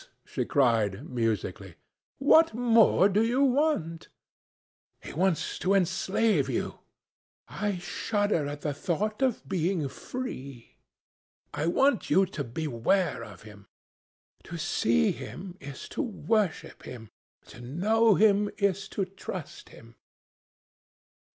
she cried musically. "What more do you want?" "He wants to enslave you." "I shudder at the thought of being free." "I want you to beware of him." "To see him is to worship him; to know him is to trust him."